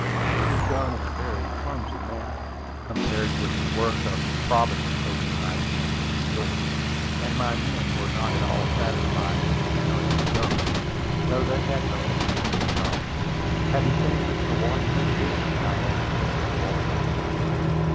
It was done in a very clumsy manner, compared with the work of a Providence opener I had seen in New York; and my men were not at all satisfied with the manner it was done, though they had no interest in the job. "Have you seen Mr. Washburn, Ben?" I asked, as we walked down the wharf.